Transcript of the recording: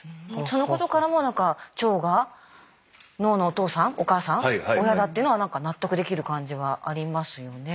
そのことからも何か腸が脳のお父さんお母さん親だっていうのは納得できる感じはありますよね。